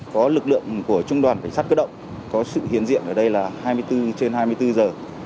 có lực lượng của trung đoàn cảnh sát cơ động có sự hiến diện ở đây là hai mươi bốn trên hai mươi bốn giờ